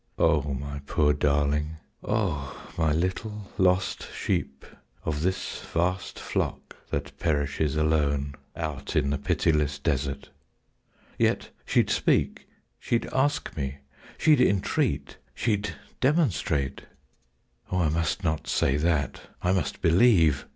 O my poor darling, O my little lost sheep Of this vast flock that perishes alone Out in the pitiless desert!—Yet she'd speak: She'd ask me: she'd entreat: she'd demonstrate. O I must not say that! I must believe!